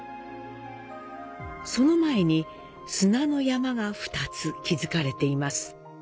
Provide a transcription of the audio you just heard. その前に砂の山が２つ築かれています。